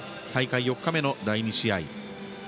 大会４日目の第２試合。